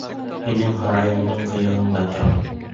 — Һинең һарайыңдың ҡыйығында тора.